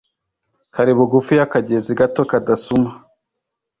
kari bugufi y’akagezi gato kadasuma;